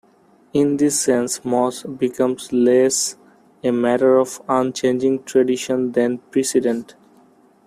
In this sense, "mos" becomes less a matter of unchanging tradition than precedent.